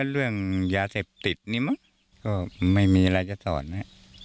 เรื่องยาเสพติดนี่มั้งก็ไม่มีอะไรจะสอนนะ